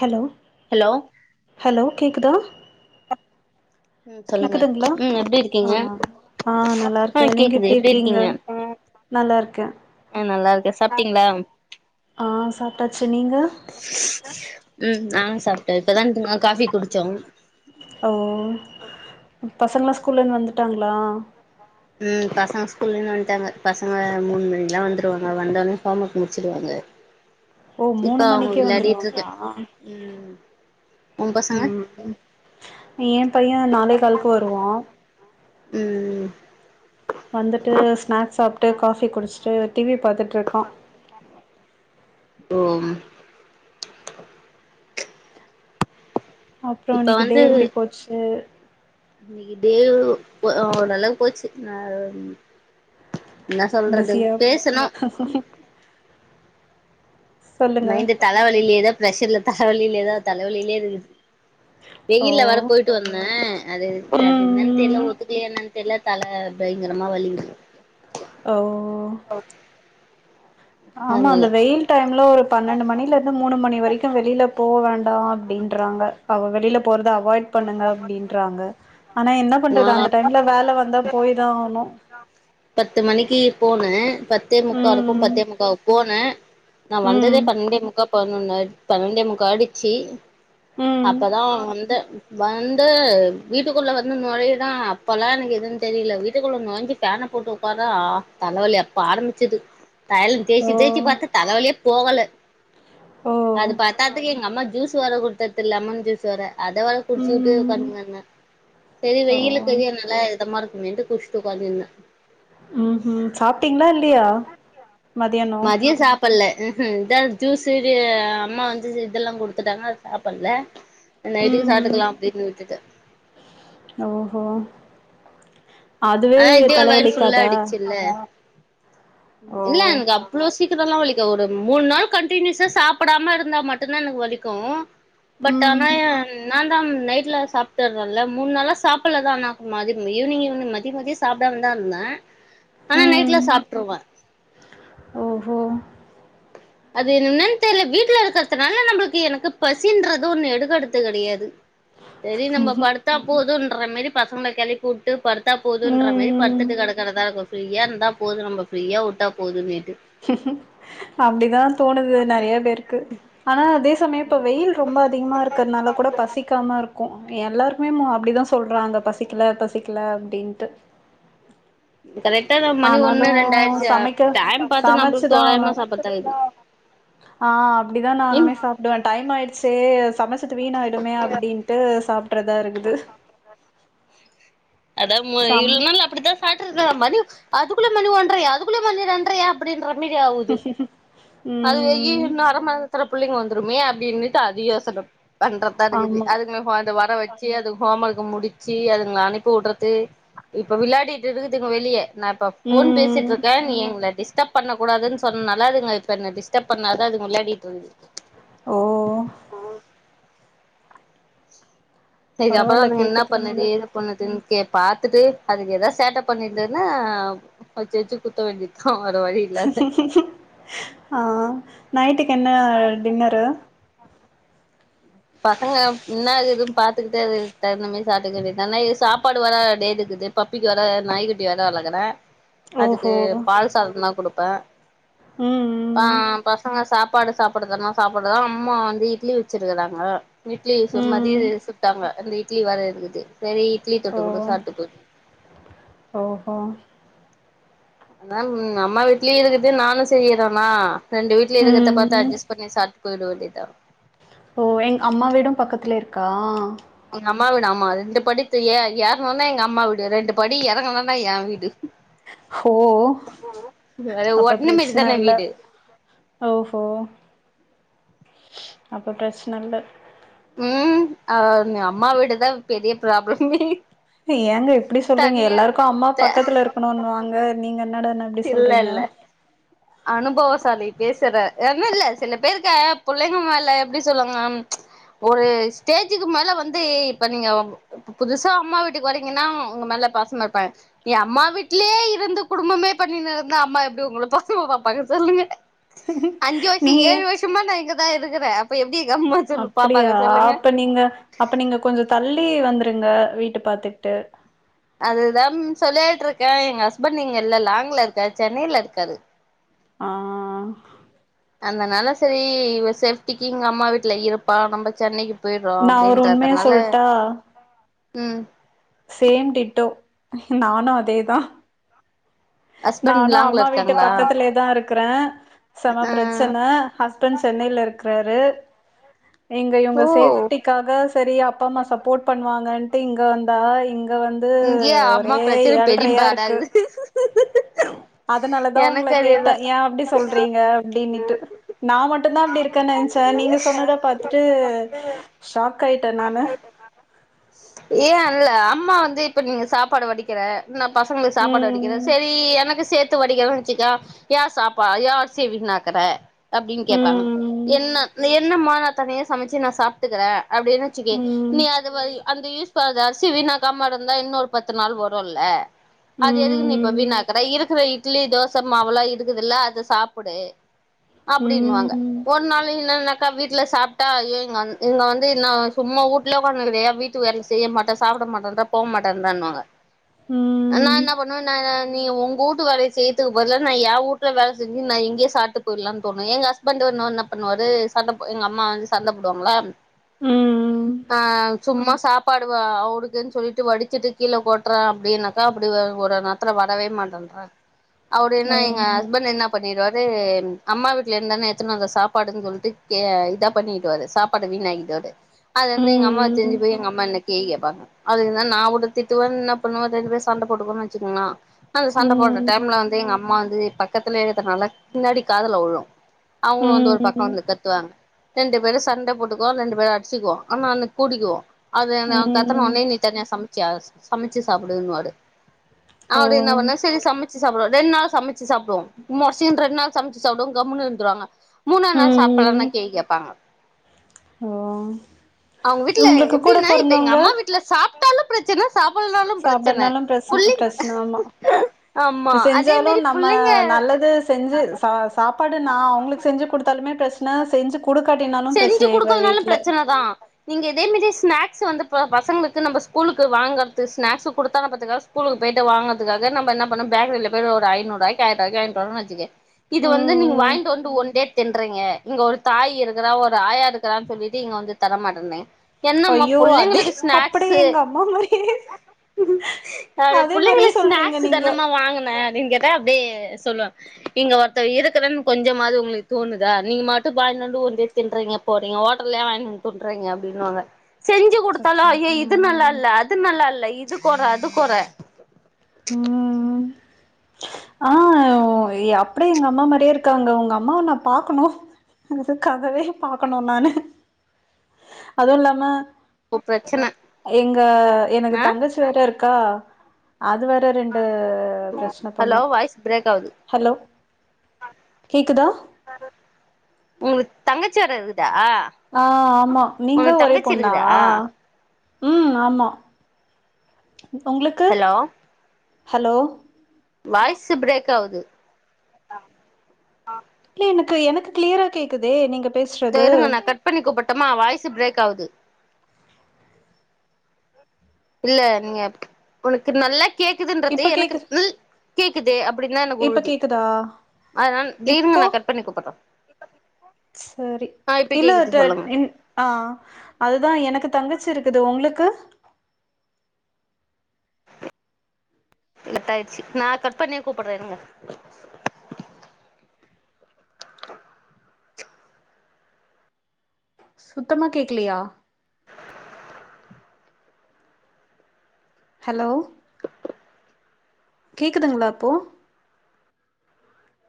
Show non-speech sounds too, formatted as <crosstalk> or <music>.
hello hello hello கேக்குதா ம் சொல்லுங்க கேக்குதுங்களா ம் எப்டி இருக்கீங்க ஆ ஆ நல்லா இருக்கே நீங்க எப்டி இருக்கீங்க நல்லாருக்கே ஆ நல்லாருக்கே சாப்ட்டீங்களா ஆ சாப்ட்டாச்சு நீங்க ம் நாங்க சாப்ட்டோ இப்பதான் இங்ட்டு காஃபி குடிச்சோ ஓ பசங்கள்லா ஸ்கூல்லேருந்து வந்துட்டாங்களா ம் பசங்க ஸ்கூல்லேந்து வந்துட்டாங்க பசங்க மூணு மணிகுலா வந்துடுவாங்க வந்தோடனே ஹோம் ஒர்க் முடிச்சுடுவாங்க ஓ மூணு மணிக்கே வந்துருவாங்களா ம் உ பசங்க ம் ஏ பையன் நாலே காலுக்கு வருவா ம் வந்துட்டு ஸ்நாக்ஸ் சாப்ட்டு காஃபி குடிச்சிட்டு டிவி பாத்துட்டு்ருக்கா ஓம் அப்பறோ இப்ப இன்னைக்கு டே வந்து எப்டி போச்சு இன்னைக்கு டே நல்லா போச்சு நல்ல என்ன சொல்றது பிஸியா பேசுனா சொல்லுங்க மைண்ட் தலைவலிலேதா பிர்ரெஷர்ல தலைவலிலேதா தலைவலிலே இருந்து ஓ வெயில வர போயிட்டு போயிட்டு வந்தேன் அது அது ம் என்னன்னு தெரியில ம் ஒத்துக்கல என்னன்னு தெரியல தலை பயங்கரமா வலிக்குது ஓ ஓகே ஆமா அந்த வெயில் டைம்ல ஒரு பன்னெண்டு மணில இருந்து மூணு மணி வரைக்கு வெளியில போக வேண்டா அப்டின்றாங்க அவ வெளியில போறது அவ அவாய்ட் பண்ணுங்க அப்டின்றாங்க ஆனா என்ன நா பண்றது அந்த டைம்ல வேல வந்தா போயிதான் ஆகணு ஆ பத்து மணிக்கு போனு பத்தே முக்கா இருக்கு ம் பத்தே முக்காக்கு போன நான் ம் வந்ததே பன்னெண்டே முக்கா பதினொன்னு ஆய் பன்னெண்டே முக்கா ம் ஆயிச்சுஅப்பதா வந்தே வந்து வீட்டுக்குள்ள வந்து நொழையிறே அப்பல்லா எனக்கு எதுன்னு தெரியல வீட்டுக்குள்ள நொழைஞ்சி பேன்ன <unintelligible> தலைவலி அப்ப ஆரம்பிச்சுது தைலம் ஓ தேச்சி தேச்சி பாத்து தலைவலியே போகல ஓ அது பத்தாதுக்கு எங்க அம்மா ஜூஸ் <unintelligible> வேற குடுத்தது இல்லம லெமன் ஜூஸ் வேற அத குடிச்சுக்கிட்டு ம் ஒக்காந்து இருந்தே சேரி ஓ வெயிலுக்கு இதயம் இதமா இருக்கும்மின்ட்டு குடிச்சிட்டு ஒக்காந்து இருந்தே ம் ம் சாப்ட்டீங்களா இல்லையா மதியானோ மதியோ சாப் சாப்டல ம் ஹு இதுதா ஜுஸ் அம்மா வந்து இதெல்லா குடுத்துட்டாங்க அத சாப்டல நைட்டுக்கு ம் சாப்ட்டுக்கலா அப்டின்னு விட்டுட்டே ஓஹோ அதுவே தல வலிக்காதா இல்ல இல்ல எனக்கு அவ்ளோ சீக் <unintelligible> வலிக்கு ஒரு மூணு நாள் கண்டினியூஸா சாப்டாம இருந்தா மட்டுதா எனக்கு வலிக்கு பட் ஆனா ம் நான் நைட்ல சாப்ட்டுறேல்ல மூணுநாளா சாப்டல தா நா மதிய ஈவினிங்னிங் மதியம்மதியம் சாப்டாம தா இருந்தே ஆனா நைட்ல ம் சாப்ட்டுருவே ஓஹோ அது என்னன்னு தெரியல வீட்டுல இருக்கறதுனால நம்மளுக்கு எனக்கு பசின்றது ஒன்னு எடுக்ககிறது கெடையாது சேரி நம்ம படுத்தா போதும்யின்ற மாதிரி பசங்கள கெழப்பிவிட்டு படுத்து படுத்தா போதும்யின்று மாரி ம் படுத்துட்டு கெடைக்கிற தா இருக்கும் ஃப்ரீயா இருந்தா போது நம்ம ஃபிரியா விட்டா போதுமேட்டு அப்டிதா தோணுது நெறையா பேருக்கு ஆனால் அதேசமயம் இப்போ வெயில் ரொம்ப அதிகமாக இருக்கிறதுனால கூட பசிக்காம இருக்கு எல்லாருமே ம அப்டிதா சொல்றாங்க பசிக்கல பசிக்கல அப்டின்ட்டு கரெக்டா நம்ம மணி ஆனாலு ஒண்ணு ரெண்டாயிரச்சு சமைக்க டைம் பாத்து நம்மளுக்கு சமைச்சுதா ஆகணு தோராயமா சாப்டுறது ஆ அப்டிதா நானுமே சாப் விடுவோ டைம் ஆயிடுச்சு சமச்சது வீணாயிடுமே அப்டின்ட்டு சாப்டுறதா இருக்து அதா மு இல்னாலு அப்டிதா சாப்ட்டு இருந்தோ மணி அதுக்குள்ளே மணி ஒன்றையா அதுக்குள்ளே மணி ரெண்ட்றையா அப்டின்ற மாதி ஆவுது அது இவி ம் நானு மறந் அத்தன புள்ளைங்க வந்துருமே அப்டின்னுட்டு அது யோசன பண்றதா இருக்குது ஆமா அதுக்குனு வந்து வர வச்சு யி அது ஹோம் ஒர்க்க முடிச்சு அதுங்கள அனுப்பி வுட்றது இப்ப விளாடிட்டு இருக்குதுங்க வெளிய நா இப்ப போன் ம் பேசிட்ருக்கே நீ எங்கள டிஸ் டிஸ்டப் பண்ணக்கூடாதுன் சொன்னனால அதுங்க இப்ப என்ன டிஸ்டப் பண்ணாது அதுங்க விளாடிட் இருக்குது ஓ சேரி அப்பதா பரவால்ல அதுங்க என்ன கேட்டுக்கறாங்க பண்ணுது பண்ணுதுன் கே பாத்துட்டு அதுக ஏதாது சேட்ட பண்ணிருந்துன்னா வச்சு வச்சு குத்த வேண்டித்தா வேற வழி இல்லாத ஆ நைட்டுக்கு என்ன டின்னரு பசங்க என்னா எதுன் பாத்துகிட்டு அதுக்கு தகுந்த மேரி சாப்ட்டுக்க வேண்டியதானா இது சாப்பாடு வரா டையத்துக்கு டே பப்பிக்கு வேற நாய்குட்டி வேற வளக்குறே அதுக்கு ஓஹோ பால் சாதோ தா குடுப்பே தா ம் ம் பசங்க சாப்பாடு சாப் சாப்டுதுனா சாப்பாடுதா அம்மா வந்து இட்லி வச்சிருக்குறாங்க இட்லி சு ம் மதியோ சுட்டாங்க இந்த இட் இட்லி வேற இருக்குது சரி இட்லி ஓ தொட்டு கூட சாப்ட்டுக்கோ ஓஹோ அதான் உண்ம அம்மா வீட்லயு இருக்து நானு செய்யுறேனா ரெண்டு வீட்ல இருக்றத பாத்து ம் அஜஸ் பண்ணி சாப்ட்டு போயிட வேண்டியதா ஓ எங் அம்மா வீடும் பக்கத்துலே இருக்கா எங்க அம்மா வீடு ஆமா ரெண்டு படித்து ஏ ஏறணுனா எங்க அம்மா வீடு ரெண்டு படி எறங்குணோனா எ வீடு ஓ வேற அப்ப ஒட்னமேடு பிரச்சன தான இல்ல வீடு ஓஹோ அப்ப பிரச்சன இல்ல ம் அ அம்மா வீடுதா பெரிய ப்ராப்ளமே ஏங்க இப்டி சொல்றீங்க தனியா எல்லாருக்கு அம்மா த பக்கத்துல இருக்கணுனுவாங்க நீங்க என்னடானா இப்டி இல்ல சொல்றீங்க இல்ல அனுபவசாலி பேசுறே ஒன்னு இல்ல சில பேருக்க புள்ளைங்க மேல எப்டி சொல்லுவாங்ன்னா ஒரு ஸ்டேஜூக்கு மேல வந்து இப்ப நீங்க இப்ப புதுசா அம்மா வீட்டுக்கு வரீங்கன்னா உங்க மேல பாசமா இருப்பாங்க நீ அம்மா வீட்லயே இருந்து குடும்பமே பண்ணினு இருந்தா அம்மா எப்டி உங்கள பா சமா பாப்பாங்க சொல்லுங்க அஞ்சு வருஷோ நீங்க ஏ ஏழு வருஷமா நா இங்கதா இருக்குறே இப்ப எப்டி எங்கம்மா சொல்லு அப்டியா பாப்பாங்க சொல்லுங்க அப்ப நீங்க அப்ப நீங்க கொஞ்சோ தள்ளி வந்துருங்க வீட்டு பாத்துட்டு அதுதாம் சொல்லியாயிட்டு இருக்கே எங் ஹஸ்பண்ட் இங்க இல்ல லாங்ல இருக்கார் சென்னையில இருக்காரு ஆ அந்தனால சரி சேஃப்டிக்கு இங்க அம்மா வீட்ல இருப்பா நம்ப சென்னைக்கு போயிறோ நா ஒரு உண்மைய அப்டின்றதுனால சொல்ட்டா ம் சேம் டிட்டோ நானு அதேதா ஹஸ்பண்ட் நானு லாங்ல அம்மா வீட்டு இருக்காங்களா பக்கத்திலே தா இருக்றே செம ஆ பிரச்சன ஹஸ்பண்ட் சென்னையில இருக்றாரு இங்க ஓ இவுங்க சேஃப்டி காக சரி அப்பா அம்மா சப்போர்ட் பண்ணுவாங்கன்ட்டு இங்க வந் அதா இங்க வந்து இங்கயே அம்மா ஒரே பிரச்சன ஏழ்ரையா இருக்கு பெரிம்பாடாகுது அதனாலதா உங்கள எனக்கு கேட்டே அதேதா ஏ அப்டி சொல்றீங்க அப்டின்னுட்டு நா மட்டுந்தா அப்டி இருக் த்த நெனச்சே நீங்க சொன்னத பாத்துட்டு ஷாக் ஆயிட்டே நானு ஏஅன்ல அம்மா வந்து இப்ப நீங்க சாப்பாடு வடிக் கற நா பசங்களுக்கு சாப்பாடு வடிக்கிறே ம் செரி எனக்கு சேத் து வடிக்கறன் வெச்சிக்க யார் சாப்பா ஏ அர்சிய வீண்ணாக்குற அப்டின் கேப்பாங் ம் என்ன நீ என்னம்மா நா தனியா சமைச்சு நா சாப்ட்டுக்கறே அப்டின் வெச்சுக்கயே ம் நீ <unintelligible> அந்த யூஸ் <unintelligible> அரிசி வீணாக்கம இருந்தா இன்னொரு பத்து நாள் வருல்ல அது எதுக்கு நீ இப்ப ம் வீணாக்கற இருக்கற இட்லி தோச மாவுல்லா இருக்குது இல்ல அத சாப்புடு அப்டின் வாங்க ம் ஒரு நாள் இன்னானா க வீட்ல சாப்ட்டா ஐயே எங்கண் இங்க வந்து இன்னா சும்மா ஊட்ல ஒக்காந்துனுக்குதே வீட்டு வேல செய்ய மாட்டா சாப்பட மாட்டன்டா போ மாட்டேன்றன்வாங்க ம் நா என்ன பண்ணுவே நே நீ உங் ஊட்டு வேலய செய்துக்கு பதிலா நா எ ஊட்டு வேல செஞ்சு நா இங்கயே சாப்டு போய்ர்லா தோணு எங்க ஹஸ்பண்டு <unintelligible> பண்ணுவாரு சண்ட போ எங்க அம்மா வந்து சண்ட போடுவாங்ளா ம் ஆ சும்மா சாப்பாடுவ அவருக்குன் சொல்லி ட்டு வடிச்சிட்டு கீழ கொட்ற அப்டின்னாக்கா அப்டி ஒ ஒரு நேர்துல வரவே மாட்டேன்றாங்க ஆ அப்டினா எங்க ஹஸ்பண்ட்டு என்ன பண்ணிருவாரு அம்மா வீட்ல இர்ந்தான எடுத்துனு வந்த சாப்பாடுன் சொல்ட்டு கியே இதா பண்ணிடுவாரு சாப் பாடு வீணாகிடுவாரு அதிலருந்து எங்க அம்மா ம் தெறிஞ்சி போய் எங்க அம்மா எ கேள்வி கேப்பாங்க அது நா ஒன்னு திட்டுவே இன்னா பண்ணுவாரு ரெண்டு பேரு சண்ட போட்டுக்கோனு வெச்சுக்கங்ளே அந்த சண்ட போடுற ம் டைம்ல வந்து எங்க அம்மா வந்து பக்கத்துலயே இருக்கனால பின்னாடி காதுல உழு அவுங்க வந்து ஒரு பக்கோ ம் வந்து கத்துவாங்க ரெண்டு பேரு சண்ட போட்டுக்வோ ரெண்டு பேரு அடிச்சுக்வோ ஆனா அன்னிக் கூடிக்குவோ அது நா கத்தன ம் ஒடனே தனியா சம்ச்சயா சமைச்சு சாப்பிடுன்வாரு ஓ அப்டி என்னா பண்ணே செரி சமை ச்சு சாப்டுவாரு ரெண் நாள் சமைச்சி சாப்டுவோ மொர்சின் ரெண்டு நாள் சமைச்சு சாப்டுவோ கம்முனு இர்ந்துருவாங்க மூணா நாள் சாப்பல்னா ம் கேள்வி கேப்பாங்க ஓ அவுங்க வீட்ல உங்களுக்கு கூட எப்டின்னா இப்ப எங்க பொறந்தவங்க அம்மா வீட்ல சாப்ட்டாலு பிரச்சன சாப்பல்னாலு பிரச்சன சாப்டனாலு பிரச் புள்ளிங் பிரச்சன ஆமா ஆமா அதே செஞ்சாலு மேரி நம்ம புள்ளைங்க நல்லது செஞ்சு சா சாப்பாடு நா அவுங்களுக்கு செஞ்சு குடுத்தாலுமே பிரச்சன செஞ்சு குடுக்காட்டினாலு பிரச்சன எங்க வீட்ல அதா நீங்க இதே மாரி ஸ்நாக்ஸ் வந்து ப பசங்களுக்கு நம்ம ஸ்கூலுக்கு வாங்குறது ஸ்நாக்ஸ் குடுத்தான பாத்துக ஸ்கூலுக்கு போய்ட்டு வாங்கறதுகாக நம்ம என்ன பண்ணோ பேக்ரில போய் ஐநூர்வாய்க்கு ஆயிர்ருவாய்க்கி வாங்கிட்டு வர்றோன் வெச்சிகியே இது வந்து நீங்க ம் வாய்ண்டு வந்து ஒன்டே தின்றீங்க இங்க ஒரு தாய் இருக் கிறா ஒரு ஆயா இருக்கிறானு சொல்லிட்டு இங்க வந்து தரமாட்டனே என்னம்மா ஐயோ அதே புள்ளைங்களுக்கு அப்டியே ஸ்நாக்ஸு எங்க அம்மா மாரியே அப்டியே அதே மாரியே புள்ளைங்ளுக்கு சொல்றீங்க ஸ்நாக்ஸ் நீங்க தானமா வாங்குனே அப்டின் கேட்டா அப்டியே சொல்லுவே இங்க ஒருத்தவ இருகறன் கொஞ்சமாது உங்ளுக்கு தோணுதா நீங்க மட்டு வாய்ண்டு வந்து ஒண்டியா திண்றீங்க போறீங்க ஓட்டலியே வாய்ண்டு வந்து துன்றீங்க அப்டினுவாங்க செஞ்சு குடுத்தாலு அச்சச்சோ ஐயோ இது ம் நல்லால்ல அது நல்லால்ல இது கொற அது கொற ம் ஆ ஒ எ அப்டியே எங்க அம்மா மாரியே இருக்காங்க உங்க அம்மாவ நா பாக்கணு அது கதவே பாக்கணு நானு அது இல்லாம ஓ பிரச்சன எங்க எனக்கு ஆ தங்கச்சி வேற இருக்கா அது வேற ரெண்டு பிரச்சன ஹலோ பண்ணு வாய்ஸ் பிரேக் ஆகுது ஹலோ கேக்குதா உங்களுக்கு தங்கச்சி வேற இருக்குதா ஆ ஆமா நீங்க உங்களுக்கு ஒரே தங்கச்சி பொண்ணா இருக்குதா ம் ஆமா உங்களுக்கு ஹலோ ஹலோ வாய்ஸ்சு பிரேக் ஆகுது கிளின் மூக்கு எனக்கு கிளியரா கேக்குது நீங்க பேசுறது இருங்க நான் கட் பண்ணி கூப்பட்டம்மா வாய்ஸ் பிரேக் ஆகுது இல்ல நீங்க உனக்கு நல்லா கேக்குதுன்றது இப்ப எனக்கு கேக்குது ல் கேக்குது அப்டின்ன எனக்கு இப்ப உழுது கேக்குதா அதனால இருங்க இப்போ நான் கட் பண்ணி கூப்பிறே சரி இல்ல கேக்குது சொல்லுங்க <unintelligible> ஆ அதுதா எனக்கு தங்கச்சி இருக்குது உங்களுக்கு கட்டாயிச்சு நா கட் பண்ணியே கூப்பிறே இருங்க சுத்தமா கேக்கலயா ஹலோ கேக்குதுங்களா இப்போ